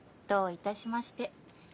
どういたしまして。